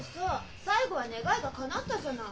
最後は願いがかなったじゃない。